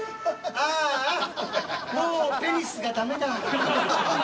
ああもうペニスがダメだぁ。